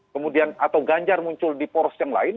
kemudian atau ganjar muncul di poros yang lain